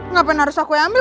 ngapain harus aku yang ambil